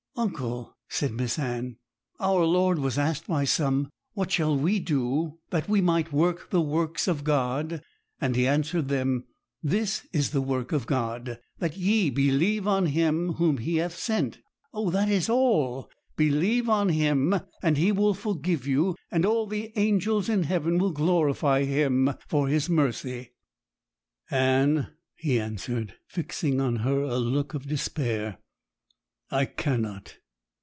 'Uncle,' said Miss Anne, 'our Lord was asked by some, "What shall we do, that we might work the works of God?" and He answered them, "This is the work of God, that ye believe on Him whom He hath sent." Oh, that is all! Believe on Him, and He will forgive you; and all the angels in heaven will glorify Him for His mercy.' 'Anne,' he answered, fixing on her a look of despair, 'I cannot.